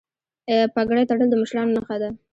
پګړۍ تړل د مشرانو نښه ده.